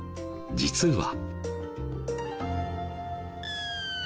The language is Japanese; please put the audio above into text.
実は。